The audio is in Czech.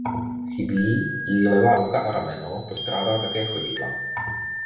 Chybí jí levá ruka a rameno a postrádá také chodidla.